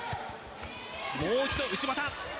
もう一度、内股。